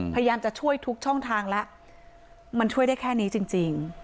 พยายามจะช่วยทุกช่องทางแล้วมันช่วยได้แค่นี้จริง